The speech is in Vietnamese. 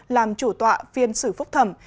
làm chủ tọa phiên xử phúc thẩm